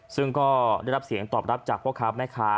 ซึ่งก็ได้รับเสียงตอบรับจากพ่อค้าแม่ค้า